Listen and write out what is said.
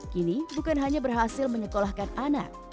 kini bukan hanya berhasil menyekolahkan anak